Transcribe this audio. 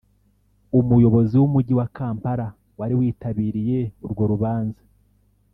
Umuyobozi w’Umujyi wa Kampala wari witabiriye urwo rubanza